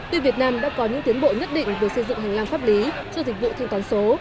tuy việt nam đã có những tiến bộ nhất định về xây dựng hành lang pháp lý cho dịch vụ thanh toán số